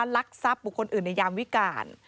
ลักทรัพย์บุคคลอื่นในยามวิการ